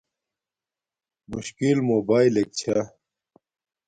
مشکل موباݵلک چھا